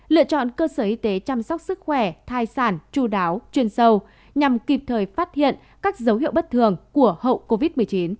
lựa chọn cơ sở y tế chăm sóc sức khỏe thai sản chú đáo chuyên sâu nhằm kịp thời phát hiện các dấu hiệu bất thường của hậu covid một mươi chín